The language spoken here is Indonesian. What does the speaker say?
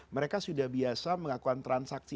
mereka sudah biasa melakukan transaksi